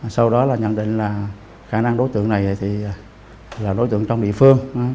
sau đó là nhận định là khả năng đối tượng này thì là đối tượng trong địa phương